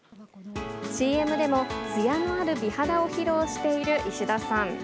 ＣＭでも、つやのある美肌を披露している石田さん。